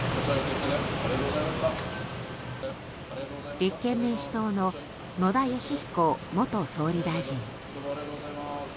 立憲民主党の野田佳彦元総理大臣。